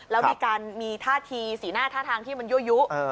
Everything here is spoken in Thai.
แล้วมีการมีท่าทีสีหน้าท่าทางที่มันยั่วยุ